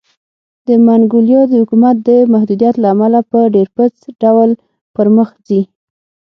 د منګولیا د حکومت د محدودیت له امله په ډېرپڅ ډول پرمخ ځي.